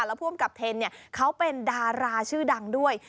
แล้วผู้อำกับเทนเขาเป็นดาราชื่อดังด้วย